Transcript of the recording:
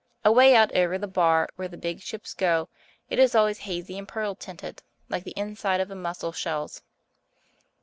Away out over the bar, where the big ships go, it is always hazy and pearl tinted, like the inside of the mussel shells.